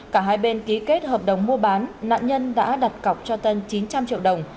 cả hai bên ký kết hợp đồng mua bán nạn nhân đã đặt cọc cho tân chín trăm linh triệu đồng